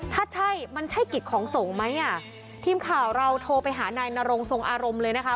ถ้าใช่มันใช่กิจของสงฆ์ไหมอ่ะทีมข่าวเราโทรไปหานายนรงทรงอารมณ์เลยนะคะ